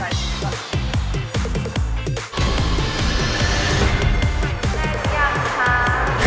แน่นกันค่ะ